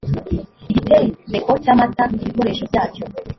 igitereko cy amatara ibikoresho byacyo